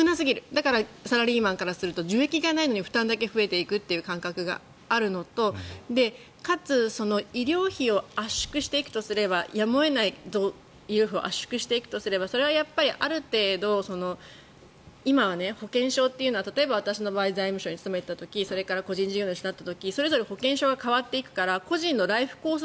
だからサラリーマンからすると受益が少ないのに負担だけ増えていく感覚があるのとかつ、医療費を圧縮していくとすればやむを得ないとそれはある程度今は保険証っていうのは例えば私の場合財務省に勤めていた場合それから個人事業主になった時に保険証が変わっていくから個人のライフコース